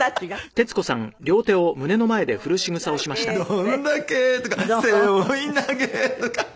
「どんだけ」とか「背負い投げ」とかって。